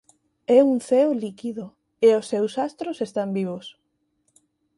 É un ceo líquido e os seus astros están vivos.